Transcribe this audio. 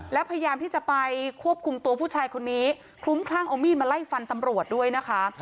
แล้วพยายามที่จะไปควบคุมตัวผู้ชายคนนี้คลุ้มคลั่งเอามีดมาไล่ฟันตำรวจด้วยนะคะ